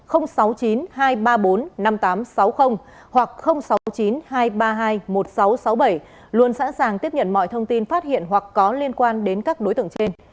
hoặc sáu mươi chín hai trăm ba mươi hai một nghìn sáu trăm sáu mươi bảy luôn sẵn sàng tiếp nhận mọi thông tin phát hiện hoặc có liên quan đến các đối tượng trên